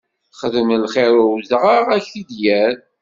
Xdem lxiṛ i udɣaɣ, ad k-t-id-yerr!